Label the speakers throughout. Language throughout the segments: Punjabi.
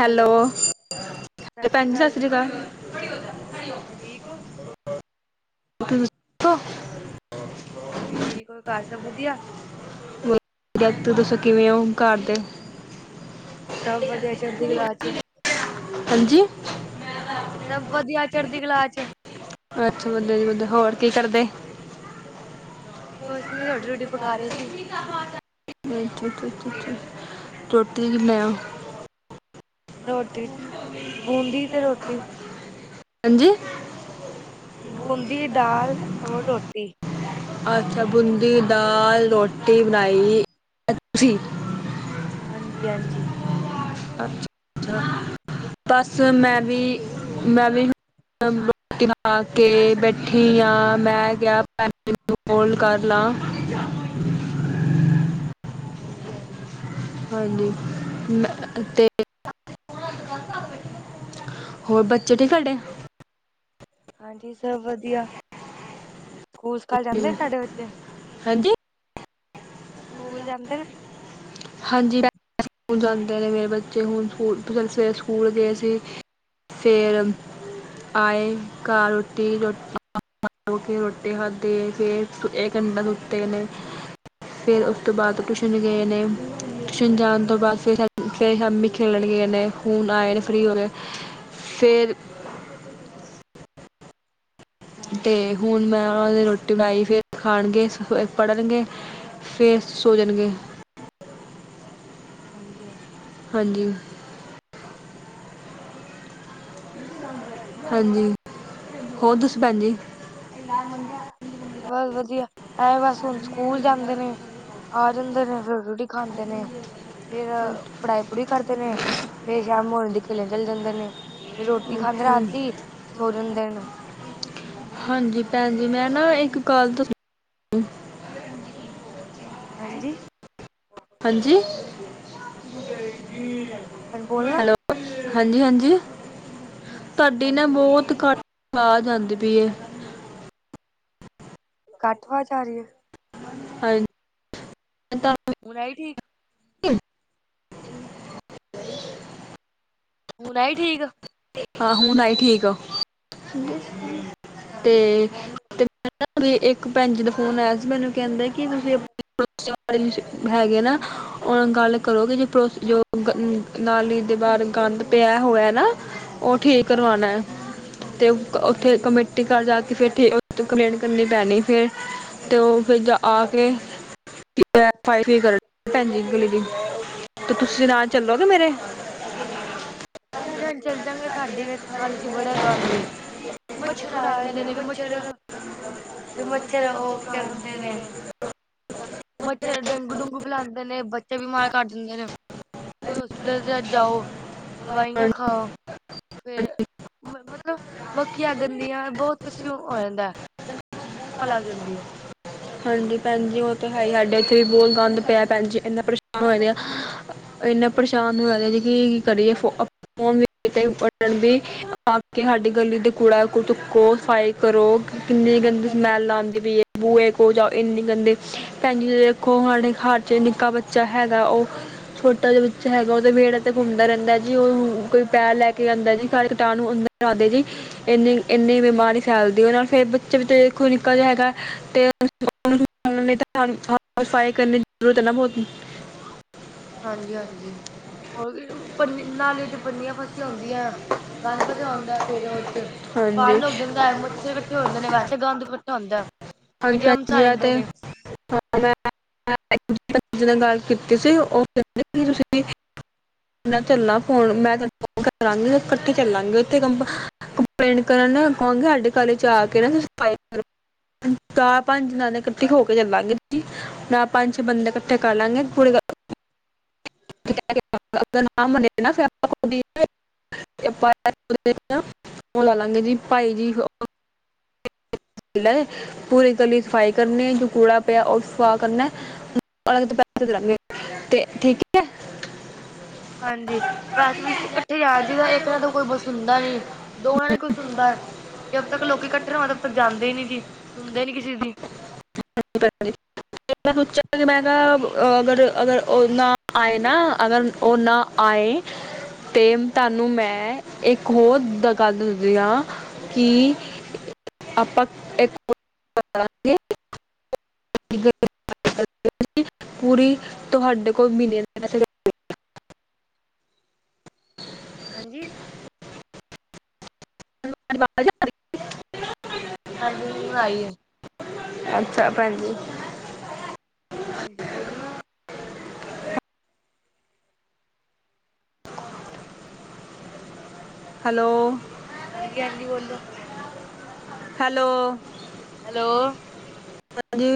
Speaker 1: ਹੈਲੋ ਭੈਣ ਜੀ ਸਤਿ ਸ਼੍ਰੀ ਅਕਾਲ।
Speaker 2: ਹੋਰ ਠੀਕ ਹੋ?
Speaker 1: ਖ
Speaker 2: ਹਾਂਜੀ ਠੀਕ ਹੋਰ ਘਰ ਸਭ ਵਧੀਆ।
Speaker 1: ਜਾਗਤ ਦੱਸੋ ਕਿਵੇਂ ਹੋ ਘਰ ਦੇ?
Speaker 2: ਸਭ ਵਧੀਆ ਚਰਦੀ ਕਲਾ ਚ
Speaker 1: ਹਾਂਜੀ
Speaker 2: ਸਭ ਵਧੀਆ ਚੜ੍ਹਦੀ ਕਲਾ ਚ
Speaker 1: ਅੱਛਾ ਬੰਦੇ ਜੀ ਬੰਦੇ ਹੋਰ ਕੀ ਕਰਦੇ?
Speaker 2: ਕੁਛ ਨੀ ਰੋਟੀ ਰੋਟੀ ਪਕਾ ਰਹੇ ਸੀ।
Speaker 1: ਅ ਠੀ ਠੀੀ ਟੋਟੀ ਮ
Speaker 2: ਹਾਂਜੀ ਰੋਟੀ ਚ ਬੂੰਦੀ ਤੇ ਰੋਟੀ।
Speaker 1: ਹਾਂਜੀ
Speaker 2: ਬੂੰਦੀ ਦਾਲ ਔਰ ਰੋਟੀ
Speaker 1: ਅੱਛਾ ਬੂੰਦੀ, ਦਾਲ, ਰੋਟੀ ਬਣਾਈ ਤੁਸੀ।
Speaker 2: ਹਾਂਜੀ-ਹਾਂਜੀ।
Speaker 1: ਬਸ ਮੈਂ ਵੀ, ਮੈਂ ਵੀ ਰੋਟੀ ਪਾ ਕੇ ਬੈਠੀ ਹਾਂ। ਮੈਂ ਗਿਆ ਭੈਣ ਨੂੰ। ਫੋਲ ਕਰ ਲਾਂ
Speaker 2: ਹਾਂਜੀ-ਹਾਂਜੀ।
Speaker 1: ਹਾਂਜੀ ਮ ਅਤੇ ਹੋਰ ਬੱਚੇ ਠੀ ਕਡੇ
Speaker 2: ਹਾਂਜੀ ਸਭ ਵਧੀਆ ਸਕੂਲ ਸਕਾਲ ਜਾਂਦੇ ਨੇ ਸਾਡੇ ਬੱਚੇ
Speaker 1: ਹਾਂਜੀ
Speaker 2: ਸਕੂਲ ਜਾਂਦੇ ਨੇ
Speaker 1: ਹਾਂਜੀ ਹਣ ਜਾਂਦੇ ਨੇ ਮੇਰੇ ਬੱਚੇ ਹੁਣ ਸਕੂਲ ਸਵੇਰੇ ਸਕੂਲ ਗਏ ਸੀ। ਫਰ ਆਏਗਾ ਰੋਟੀ ਰੋਟੀ। ਮ ਕੇ ਰੋਟੀ ਖਾਧੀ ਫੇਰ ਇਹ ਕੰਡਾ ਸੁੱਤੇ ਨੇ ਫਿਰ ਉਸ ਤੋਂ ਬਾਅਦ ਟੁਸ਼ਣ ਗਏ ਨੇ ਟਿਯੂਸ਼ਨ ਜਾਨ ਤੋ ਬਾਦ ਫੇਰ, ਫੇਰ ਸ਼ਾਮੀ ਖੇਲਣ ਗਏ ਨੇ ਹੁਨ ਆਏ ਨੇ ਫ੍ਰੀ ਹੋ ਕੇ। ਫਿਰ ਤੇ
Speaker 2: ਹਾਂਜੀ
Speaker 1: ਹੁਣ ਮੈਂ ਉਹ ਦੀ ਰੋਟੀ ਬਣਾਈ ਫਿਰ ਖਾਣਗੇ ਪੜ੍ਹਨਗੇ। ਫੇਰ ਸੋ ਜਾਣਗੇ।
Speaker 2: ਹਾਂਜੀ-ਹਾਂਜੀ।
Speaker 1: ਹਾਂਜੀ। ਹਾਂਜੀ। ਹੋਰ ਤੁਸੀ ਭੈਣ ਜੀ।
Speaker 2: ਬਸ ਵਧੀਆ, ਐ ਬਸ ਹੁਣ ਸਕੂਲ ਜਾਂਦੇ ਨੇ। ਆ ਜਾਂਦੇ ਨੇ, ਫੇਰ ਰੋਟੀ ਖਾਂਦੇ ਨੇ। ਫੇਰ ਪੜਾਈ ਪੜੂਈ ਕਰਦੇ ਨੇ, ਫੇਰ ਸ਼ਾਮ ਹੋ ਜਾਂਦੀ ਖੇਲਣੇ ਚਲੇ ਜਾਂਦੇ ਨੇ। ਫ ਰੋਟੀ ਖਾਂਦੇ ਰਾਤੀ, ਸੋ ਜਾਂਦੇ ਨੇ।
Speaker 1: ਹਾਂਜੀ। ਭੈਣ ਜੀ ਮੈਂ ਨਾ ਇੱਕ ਗੱਲ ਦ
Speaker 2: ਹਾਂਜੀ।
Speaker 1: ਹਾਂਜੀ।
Speaker 2: ਹੁਣ ਬੋਲਣਾ
Speaker 1: ਹੈਲੋ, ਹਾਂਜੀ-ਹਾਂਜੀ, ਤੁਹਾਡੀ ਨਾ
Speaker 2: ਹਾਂਜੀ ਬੋਲ
Speaker 1: ਬਹੁਤ ਘੱਟ ਆਵਾਜ ਆਂਦੀ ਪਈਏ।
Speaker 2: ਘੱਟ ਆਵਾਜ ਆ ਰਹੀ ਹੈ।
Speaker 1: ਹਾਂਜੀ। [unintelligible] ਮੈਂ ਤੁਹਾਨੂੰ
Speaker 2: ਹੁੰ ਆਈ ਠੀਕ। ਹੁਣ ਆਈ ਠੀਕ।
Speaker 1: ਹੁਨ ਆਈ ਠੀਕ,
Speaker 2: ਹਾਂਜੀ
Speaker 1: ਤੇ। ਤੇ ਇੱਕ ਭੈਣ ਜੀ ਦਾ ਫੋਨ ਆਇਆ ਸੀ, ਮੈਨੂੰ ਕਹਿੰਦੇ ਕਿ ਤੁਸੀਂ। ਹੈਗੇ ਨਾ, ਉਹ ਗੱਲ ਕਰੋਗੇ ਜੇ-ਜੋ। ਨਾਲੀ ਦੇ ਬਾਹਰ ਗੰਦ ਪਿਆ ਹੋਇਆ ਨਾ। ਉਹ ਠੀਕ ਕਰਵਾਣਾ ਹੈ ਤੇ ਉੱਥੇ
Speaker 2: ਹਾਂਜੀ
Speaker 1: ਕਮੇਟੀ। ਘਰ ਜਾ ਕੇ ਫਿਰ ਕੰਪਲੇਂਟ ਕਰਨੀ ਪੈਣੀ। ਫੇਰ ਤੇ ਉਹ ਫਿਰ ਆ ਕੇ ਤੁਸੀਂ ਨਾਲ ਚੱਲੋਗੇ ਮੇਰੇ।
Speaker 2: ਹਾਂਜੀ- ਹਾਂਜੀ ਚੱਲ ਜਾਂਗੇ। ਸਾਡੇ ਨਾਲੀ ਵਿਚ ਵੀ ਬੜਾ ਗੰਦ ਏ। ਮੱਛਰ ਆ ਜਾਂਦੇ ਨੇ। ਵੀ ਮੱਛਰ ਫੇਰ ਮੱਛਰ, ਉਹ ਬੀਮਾਰੀ ਕਰਦੇ ਨੇ। ਮੱਛਰ ਡੇਂਗੂ ਡੇਗੂ ਫੈਲਾਉਂਦੇ ਨੇ ਬੱਚੇ ਬਿਮਾਰ ਕਰ ਦਿੰਦੇ ਨੇ। ਹੋਸਪਿਟਲ ਚ' ਜਾਓ। ਦਵਾਈਆਂ ਖਾਓ। ਫੇਰ ਮਤਲਬ ਮੱਖੀਆਂ ਗੰਦੀਆਂ ਬਹੁਤ ਕਿਸੀ ਨੂੰ ਵੀ ਹੋ ਜਾਂਦਾ ਲੱਗ ਜਾਂਦੀ ਹੈ।
Speaker 1: ਹਾਂਜੀ ਭੈਣਜੀ, ਉਹ ਹੈ ਹੀ ਸਾਡੇ ਇਥੇ ਵੀ ਬਹੁਤ ਗੰਦ ਪਿਆ ਭੈਣਜੀ ਇਨਾ ਪਰੇਸ਼ਾਨ ਹੋ- ਔਰ ਇੰਨਾ ਪਰੇਸ਼ਾਨ [unintelligible] ਜਾਂਦੇ ਹਾ, ਕੇ ਸਾਡੀ ਗਲੀ ਦੇ ਕੂੜਾ ਚੁਕੋ ਸਫ਼ਾਈ ਕਰੋ- ਇੰਨੀ ਗੰਦੀ ਸਮੈਲ ਆਉਂਦੀ ਪਈ ਹੈ ਬੂਹੇ, ਕੋਲ ਜਾਓ ਇੰਨੀ ਗੰਦੇ, ਭੈਣ ਦੇਖੋ ਸਾਡੇ ਘਰ ਚ ਨਿੱਕਾ ਬੱਚਾ ਹੈਗਾ ਉਹ ਛੋਟਾ ਜਿਹਾ ਬੱਚਾ ਹੈਗਾ, ਉਹਦੇ ਵਿਹੜੇ ਤੇ ਘੁੰਮਦਾ ਰਹਿੰਦਾ ਹੈ ਜੀ, ਉਹ ਕੋਈ ਪੈਰ ਲੈ ਕੇ ਆ ਜਾਂਦਾ ਜੀ ਸਾਰੇ ਕੀਟਾਣੂ ਅੰਦਰ ਆਂਦੇ ਜੀ। ਇੰਨੀ-ਇੰਨੀ ਬਿਮਾਰੀ ਫੈਲਦੀ ਉਹਦੇ ਨਾਲ, ਫੇਰ ਬੱਚੇ ਦੇਖੋ ਨਿਕਾ ਹੈਗਾ ਤੇ। ਸਫਾਈ ਕਰਨ ਦੀ ਜ਼ਰੂਰਤ ਨਾ ਬਹੁਤ।
Speaker 2: ਹਾਂਜੀ- ਹਾਂਜੀ, ਹੋਰ ਵੀ ਪੰਨੀ ਨਾਲੇ 'ਚ ਪੰਨੀਆਂ ਫਸੀਆਂ ਹੁੰਦੀਆਂ। ਗੰਦ ਫਸਿਆ ਹੁੰਦਾ ਫੇਰ, ਉਹ ਚ' ਪਾੜ
Speaker 1: ਹਾਂਜੀ
Speaker 2: ਨ ਉੱਗ ਜਾਂਦਾ ਹੈ। ਜਦੇ ਇਕੱਠੇ ਹੁੰਦੇ ਨੇ ਵੈਸੇ ਗੰਦ ਇਕੱਠਾ ਹੁੰਦਾ। ਫਿਰ
Speaker 1: ਪੰਜ-
Speaker 2: ਜਮਸ
Speaker 1: ਪੰਜ
Speaker 2: ਆ
Speaker 1: ਜ
Speaker 2: ਜਾਂਦੇ
Speaker 1: ਤੇ
Speaker 2: ਨੇ
Speaker 1: ਹ ਮੈਂ ਨਾਲ ਗੱਲ ਕੀਤੀ ਸੀ। ਉਹ ਕਹਿੰ ਤੁਸੀਂ ਮੈ ਚੱਲਣਾ, ਫੋਨ ਮੈਂ ਤੈਨੂੰ ਫ ਕਰਾਂਗੀ ਇਕੱਠੇ ਚੱਲਾਂਗੇ। ਉਥੇ ਕੰ ਕੰਪਲੇਟ ਕਰਨ, ਕਹਾਂਗੇ ਸਾਡੇ ਗਲੀ ਚ' ਆ ਕੇ ਸਫਾਈ ਕਰੋ। ਚਾਰ- ਪੰਜ ਨਾਲੇ ਇਕੱਠੇ ਹੋ ਕੇ ਚੱਲਾਂਗੇ। ਨਾ ਪੰਜ- ਛੇ ਬੰਦੇ ਇਕੱਠੇ ਕਰ ਲਾਂਗੇ। ਪੂ ਨ [unintelligible] ਲਾ ਲਾਂਗੇ ਜੀ ਭਾਈ ਜੀ ਪੂਰੀ ਗਲੀ ਸਫਾਈ ਕਰਨੀ, ਜੋ ਕੂੜਾ ਪਿਆ ਉਹ ਸਾਫ਼ ਕਰਨਾ ਪੈਸੇ ਦੇ ਦਾ ਗਏ, ਤੇ ਠੀਕ ਹੈ
Speaker 2: ਹਾਂਜੀ, ਵੈਸ ਵੀ ਇਕੱਠੇ ਜਾਣ ਜ ਤਾਂ ਇੱਕ ਨਾ ਤਾਂ ਕੋਈ ਸੁਣਦਾ ਹੁੰਦਾ ਨੀ- ਦੋਵਾਂ ਨੇ ਕੁਝ ਸੁਣਦਾ ਹੈ ਜ ਜਦ ਤੱਕ ਲੋਕ ਇਕੱਠੇ ਨਾਦੇ ਤ ਤੱਕ ਜਾਂਦੇ ਹੀ ਨੀ ਜੀ ਸੁਣਦੇ ਨੀ ਕਿਸੇ ਦੀ
Speaker 1: [unintelligible] ਅਗਰ-ਅਗਰ ਓ ਨ ਆਏ ਨਾ ਅਗਰ ਉਹ ਨਾ ਆਏ ਤੇ ਤੁਹਾਨੂੰ ਮੈਂ ਇੱਕ ਹੋਰ ਦਗਾੱਲ ਦਦੀ ਹਾਂ ਕਿ ਆਪਾਂ ਇੱਕ ਕਰਾਂਗੇ ਪੂਰੀ ਤੁਹਾਡੇ ਕੋਲ ਮਹੀਨੇ
Speaker 2: ਹਾਂਜੀ ਹਾਂਜੀ ਹੁਣ ਆਈ ਹੈ
Speaker 1: [inaudible] ਅੱਛਾ ਭੈਣ ਜੀ
Speaker 2: ਹਾਂਜੀ ਬੋਲੋ ਨਾ
Speaker 1: ਹੈਲੋ
Speaker 2: ਹਾਂਜੀ ਹਾਂਜੀ ਬੋਲੋ
Speaker 1: ਹੈਲੋ
Speaker 2: ਹੈਲੋ
Speaker 1: ਹਾਂਜੀ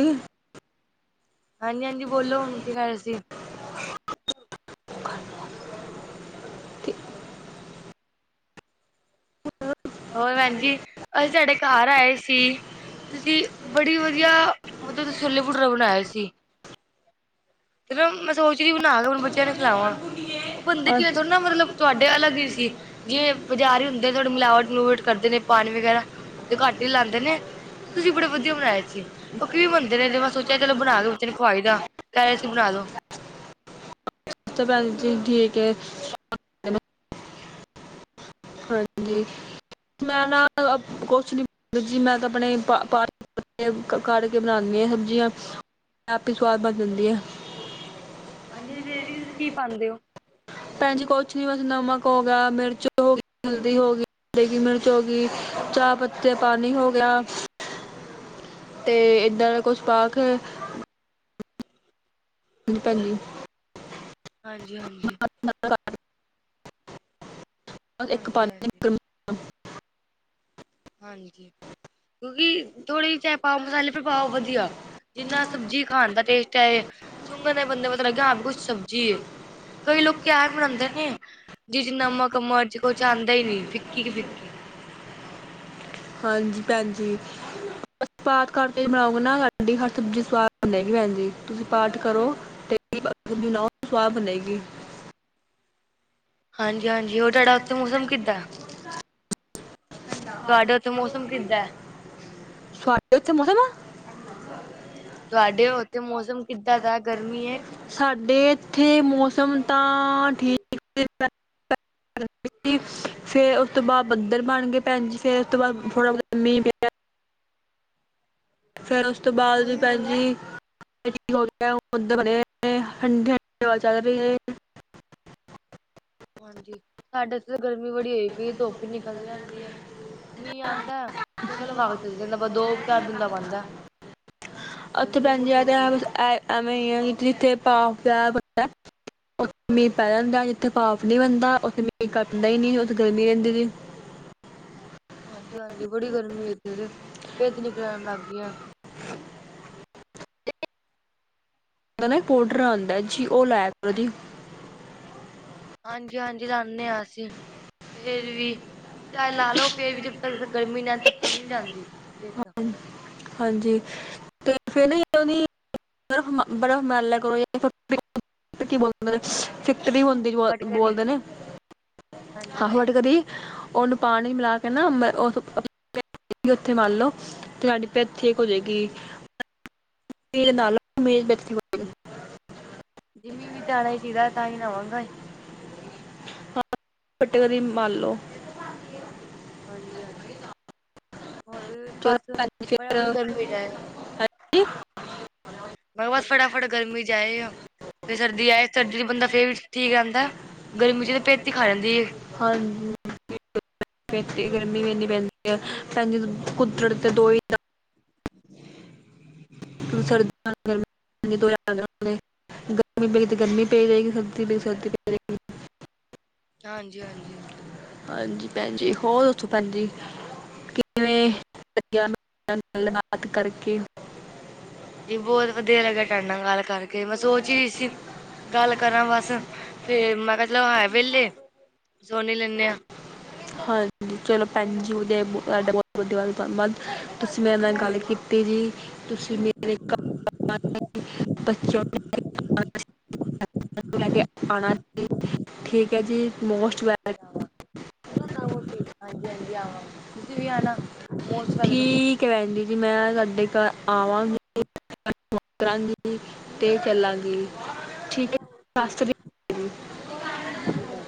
Speaker 2: ਹਾਂਜੀ ਹਾਂਜੀ ਬੋਲੋ ਹੁਣ ਕੀ ਖ ਰਿਹਾ ਸੀ
Speaker 1: [inaudible]
Speaker 2: ਹੋਰ ਭੈਣ ਜੀ ਅਸੀਂ ਸਾਡੇ ਘਰ ਆਏ ਸੀ ਤੁਸੀਂ ਬੜੀ ਵਧੀਆ ਮਤਲਬ ਛੋਲੇ ਭਟੂਰੇ ਬਣਾ ਏ ਸੀ ਚਲੋ ਮੈਂ ਸੋਚਦੀ ਬਣਾਵਾਂ ਬੱਚਿਆਂ ਲਈ ਬਣਾ ਵਾ। ਉਹ ਬਣਦੇ ਕਿ
Speaker 1: ਅ-
Speaker 2: ਥੜਾ ਨਾ ਮਤਲਬ ਤੁਹਾਡੇ ਅਲੱਗ ਹੀ ਸੀ ਜੇ ਬਾਜ਼ਾਰ ਹੀ ਹੁੰਦੇ ਥੋੜੀ ਮਿਲਾਵਟ ਮਲੂਵਟ ਕਰਦੇ ਨੇ ਪਾਣੀ ਵਗੈਰਾ ਤੇ ਘੱਟ ਹੀ ਲਾਉਂਦੇ ਨੇ ਤੁਸੀਂ ਬੜੇ ਵਧੀਆ ਬਣਾਏ ਸੀ ਵੀ ਬਣਦੇ ਨੇ ਤੇ ਮੈਂ ਸੋਚਿਆ ਚਲੋ ਬਣਾ ਲੋ ਖਵਾ ਹੀ ਦਾ ਤਾਂ ਏਦੇ ਚ ਬਣਾ ਦੋ
Speaker 1: ਸ ਪੈ ਠੀਕ ਹੈ ਹਾਂਜੀ ਮੈਂ ਨਾ ਕੁਛ ਨੀ ਮੈਂ ਤਾਂ ਆਪਣੇ ਕਢ ਕੇ ਬਣਾਉਂਦੀ ਹਾਂ ਸਬਜ਼ੀਆਂ ਆਪ ਹੀ ਸਵਾਦ ਬਣ ਜਾਂਦੀਆਂ
Speaker 2: ਹਾਂਜੀ ਵੀ ਕੀ ਪਾਉਂਦੇ ਹੋ
Speaker 1: ਭੈਣ ਜੀ ਕੁਛ ਨੀ ਬਸ ਨਮਕ ਹੋ ਗਿਆ, ਮਿਰਚ ਹੋ ਗੀ, ਹਲਦੀ ਹੋ ਗੀ। ਦੇਗੀ ਮਿਰਚ ਹੋ ਗੀ, ਚਾਹ ਪੱਤੀ ਦਾ ਪਾਣੀ ਹੋ ਗਿਆ। ਤੇ ਏਦਾ। ਦਾ ਕੁਛ ਪਾਕ ਕੇ ਹਾਂ ਭੈਜੀ
Speaker 2: ਹਾਂਜੀ ਹਾਂਜੀ
Speaker 1: [unintelligible] ਇੱਕ ਪਾ
Speaker 2: ਹਾਂਜੀ-ਹਾਂਜੀ,
Speaker 1: [unintelligible]
Speaker 2: ਹਾਂਜੀ। ਕਿਉਂਕਿ ਥੋੜੀ ਚਾਏ ਪਾਓ ਮਸਾਲੇ ਪਰ ਪਾਓ ਵਧੀਆ। ਜਿੰਨਾ ਸਬਜ਼ੀ ਖਾਣ ਦਾ ਟੇਸਟ ਹੈ ਸੁੰਘਣ ਦਾ ਬੰਦੇ ਪਤਾ ਲੱਗਿਆ ਹਾਂ ਵੀ ਕੁਛ ਸਬਜ਼ੀ ਕਈ ਲੋਕੀ ਕਿਆ ਵੀ ਬਨਾਉਂਦੇ ਸੀ ਜਿਸ ਚ ਨਮਕ ਮਰਜ਼ ਕੁਛ ਆਂਦਾ ਹੀ ਨੀ ਫਿੱਕੀ ਕਿ ਫਿੱਕੀ
Speaker 1: ਹਾਂਜੀ ਭੈਣ ਜੀ ਸੀ ਪਾਠ ਕਰਕੇ ਬਣਾਉ ਨਾ ਹਰ ਸਬਜ਼ੀ। ਹੱਥ ਦੀ ਸਵਾਦ ਬਣ ਜਾਏ ਗੀ ਭੈਣ ਜੀ ਤੁਸੀਂ ਪਾਠ ਕਰੋ ਤੇ ਬ ਸਵਾਹ ਬਣੇਗੀ
Speaker 2: ਹਾਂਜੀ ਹਾਂਜੀ ਉਹ ਤੁਹਾਡਾ ਉੱਥੇ ਮੌਸਮ ਕਿੱਦਾਂ ਤੁਹਾਡੇ ਉੱਥੇ ਮੌਸਮ ਕਿੱਦਾਂ ਹੈ
Speaker 1: ਸਾਡੇ ਇੱਥੇ ਮੌਸਮ
Speaker 2: ਤੁਹਾਡੇ ਉੱਥੇ ਮੌਸਮ ਕਿੱਦਾਂ ਦਾ ਗਰਮੀ ਹੈ
Speaker 1: ਸਾਡੇ ਇੱਥੇ ਮੌਸਮ ਤਾਂ ਠੀਕ ਫੇਰ ਉਸ ਤੋਂ ਬਾਅਦ ਬੱਧਰ ਬਣ ਗਏ ਭੈਣਜੀ ਫੇਰ ਉਸ ਤੋਂ ਬਾਅਦ ਥੋੜਾ ਬ ਮੀਂਹ ਪ ਫੇਰ ਉਸ ਤੋਂ ਬਾਅਦ ਦੀ ਭੈਣ ਜੀ ਠੀਕ ਹੋ ਗਿਆ। ਬਦਲ ਬਣੇ ਹੋਏ। ਨੇ ਠੰਡੀ ਠੰਡੀ ਹਵਾ ਚਲ ਰੀ ਐ।
Speaker 2: ਹਾਂਜੀ ਸਾਡੇ ਏਥੇ ਤੇ ਗਰਮੀ ਬੜੀ ਹੋਈ ਪਈ ਏ ਧੁੱਪ ਈ ਨਿਕਲ ਜਾਂਦੀ ਹੈ ਮੀਂਹ ਆਂਦਾ ਏ ਸ਼ਕਲ ਵਖਾ ਕੇ ਚੱਲ ਜਾਂਦਾ ਬਸ ਦੋ ਚਾਰ ਬੂੰਦਾਂ ਪਾਂਦਾ।
Speaker 1: ਉੱਥੇ
Speaker 2: ਗਰਮੀ
Speaker 1: ਭੈਣਜੀ
Speaker 2: ਬਹੁਤ
Speaker 1: ਐ
Speaker 2: ਹੋਈ
Speaker 1: ਤੇ ਐ
Speaker 2: ਪਈ ਏ।
Speaker 1: ਐ ਐਵੇ ਈ ਐ। ਜਿੱਥੇ ਭਾਵ ਸਾਹਿਬ - ਉਥੇ ਮੀਂਹ ਪੈ ਜਾਂਦਾ ਜਿੱਥੇ ਪਾਫ ਨੀ ਬਣਦਾ। ਉੱਥੇ ਮੀਹ ਕਟਦਾ ਈ ਨੀ ਉੱਥੇ ਗਰਮੀ ਰਹਿੰਦੀ ਰੀ।
Speaker 2: ਹਾਂਜੀ-ਹਾਂਜੀ ਬੜੀ ਗਰਮੀ ਏਥੇ ਤੇ ਪੇਤ ਨਿਕਲਣ ਲੱਗ ਗੀ ਆ।
Speaker 1: ਓਦਾ ਨਾ ਪੋਡਰ ਆਂਦਾ ਜੀ। ਉਹ ਲਾਇਆ ਕਰੋ ਦੀ।
Speaker 2: ਹਾਂਜੀ-ਹਾਂਜੀ ਲਾਣੇ ਆ ਅਸੀਂ ਫੇਰ ਵੀ ਚਾਏ ਲਾ ਲਓ, ਫੇਰ ਵੀ ਜਬ ਤੱਕ ਗਰਮੀ ਨਈ ਜਾਂਦੀ, ਤਬ ਤੱਕ ਨੀ ਜਾਂਦੀ ਪੇਤ।
Speaker 1: ਹਾਂ- ਹਾਂਜੀ, ਤੇ ਫੇਰ ਨਾ ਉਹਦੀ ਬੜਾ ਮਨ ਲੈ ਕਰੋ ਫਿਰੋਲ [unintelligible] [inaudible] ਫਿਕਟਰੀ ਹੁੰਦੀ ਜੋ
Speaker 2: ਬਟ
Speaker 1: ਬੋ
Speaker 2: ਕਦੀ
Speaker 1: ਬੋਲਦੇ ਨੇ। ਹਾਂ
Speaker 2: ਹਾਂਜੀ
Speaker 1: ਫਟਕਰੀ। ਉਹਨੂੰ ਪਾਣੀ ਮਿਲਾ ਕੇ ਨਾ ਜਿੱਥੇ ਪਿਤ ਹੈਗੀ, ਉਥੇ ਮਲ ਲਓ ਤੇ ਤਾਢੀ ਪੇਤ ਠੀਕ ਹੋਜੇਗੀ। ਰੇ ਨਾਲੋਂੇ ਵਿਅਕਤੀ ਹੋਏਗੀ [unintelligible] [inaudible]
Speaker 2: ਜਿਮੀ ਵੀ ਚਾੜੇ ਸੀਗਾ, ਤਾਈ ਲਾਵਾਂਗੇ।
Speaker 1: ਹਾਂ। ਫਤਕੜੀ ਮਲ ਲੋੋ।
Speaker 2: ਹਾਂਜੀ-ਹਾਂਜੀ। ਹੋਰ
Speaker 1: ਚਲੋ
Speaker 2: ਬਸ
Speaker 1: ਭੈਣ ਜੀ
Speaker 2: ਫਟਾਫਟ
Speaker 1: ਫਿਰ
Speaker 2: ਗਰਮੀ ਜਾਏ।
Speaker 1: [inaudible] [inaudible]
Speaker 2: ਮੈਂ ਬਸ ਫਟਾਫਟ ਗਰਮੀ ਚ ਆਏ ਆਂ। ਫੇਰ ਸਰਦੀ ਆਏ, ਸਰਦੀ ਚ ਬੰਦਾ ਫੇਰ ਵੀ ਠੀਕ ਰਹਿੰਦਾ। ਗਰਮੀ ਚ ਤਾਂ ਪਿਤ ਈ ਖਾ ਜਾਂਦੀ ਏ।
Speaker 1: ਹਾਂਜੀ। ਭੈਣ ਜੀ, ਗਰਮੀ ਏਨੀ ਪੈਂਦੀ ਆ। ਭੈਣਜੀ ਕੁਦਰਤ ਦੇ ਦੋ ਈ ਰੰਗ
Speaker 2: [inaudible]
Speaker 1: [unintelligible]
Speaker 2: [inaudible]
Speaker 1: [inaudible] ਗਰਮੀ ਪਈ ਤੇ, ਗਰਮੀ ਪਈ ਰਹੇਗੀ। ਸਰਦੀ ਪਈ ਤੇ, ਸਰਦੀ ਪਈ ਰਹੇਗੀ।
Speaker 2: ਹਾਂਜੀ-ਹਾਂਜੀ।
Speaker 1: ਹਾਂਜੀ ਭੈਣਜੀ,। ਹੋਰ ਦਸੋ ਭੈਣਜੀ? ਕਿਵੇਂ ਲਗਿਆ, ਮੇਰੇ ਨਾਲ ਗੱਲ ਬਾਤ ਕਰਕੇ?
Speaker 2: ਜੀ, ਬਹੁਤ ਵਧੀਆ ਲੱਗਿਆ, ਟਾਡੇ ਨਾਲ ਗੱਲ ਕਰਕੇ ਮੈਂ ਸੋਚ ਹੀ ਸੀ। ਗੱਲ ਕਰਾਂ ਬਸੱ ਫੇਰ ਮੈਂ ਕਿਹਾ, ਮਤਲਬ ਹੈ। ਵੇਹਲੇ ਸੁਣ ਲੈਂਦੇ ਆ।
Speaker 1: ਹਾਂਜੀ। ਚਲੋ ਭੈਣ ਜ ਉਹ ਤੁਹਾਡਾ ਬਹੁਤ ਵਧਿਆ ਧੰਨਵਾਦ। ਤੁਸੀਂ ਮੇਰੇ, ਨਾਲ ਗੱਲ ਕੀਤੀ ਜੀ ਤੁਸੀਂ, ਮੇ [unintelligible] [inaudible] ਲੈ ਕੇ ਆਉਣਾ [inaudible] ਠੀਕ ਹੈ ਜੀ, ਮੋਸਟ ਵੈਲ
Speaker 2: ਹਾਂਜੀ-ਹਾਂਜੀ ਆਵਾਗੇ ਤੁਸੀਂ, ਵੀ ਆਣਾ ਮੋਸਟ ਵੈਲਕਮ
Speaker 1: ਠੀਕ। [unintelligible] [inaudible] [inaudible] ਤੇ ਚਲਾਂਗੀ, ਠੀਕ ਐ ਜੀਸਤਿ ਸ੍ਰੀ ਅਕਾਲ।
Speaker 2: ਸਤਿ ਸ੍ਰੀ ਅਕਾਲ।